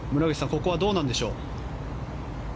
ここはどうなんでしょう。